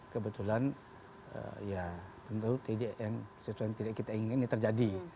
kebetulan ya tentu yang tidak kita inginkan ini terjadi